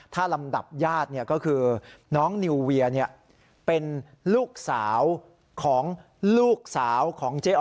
ถ้าลำดับญาติก็คือน้องนิวเวียเป็นลูกสาวของลูกสาวของเจ๊อ๋อ